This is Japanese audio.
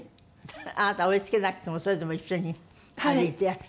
あなた追い付けなくてもそれでも一緒に歩いてらして。